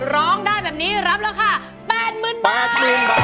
ร้องได้แบบนี้รับราคา๘๐๐๐บาท